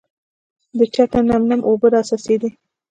د چته نم نم اوبه راڅڅېدې .